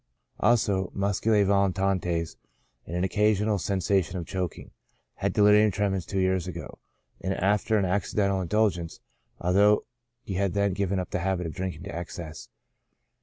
Also, muscae volitantes, and an occasional sensation of choking. Had delirium tremens two years ago, after an accidental indulgence, although he had then given up the habit of drinking to excess.